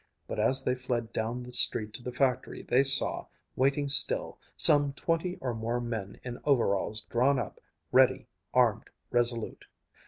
But as they fled down the street to the factory they saw, waiting still, some twenty or more men in overalls drawn up, ready, armed, resolute....